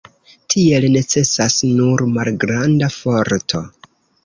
Tiel necesas nur malgranda forto.